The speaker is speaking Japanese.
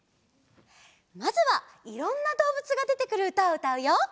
まずはいろんなどうぶつがでてくるうたをうたうよ。